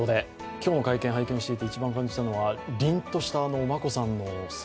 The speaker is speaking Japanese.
今日の会見を拝見していて一番感じたのはりんとした眞子さんの姿。